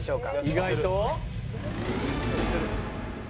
意外と？